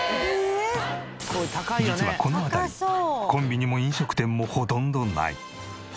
実はこの辺りコンビニも飲食店もほとんどない。